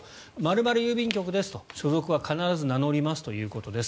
○○郵便局ですと所属は必ず名乗りますということです。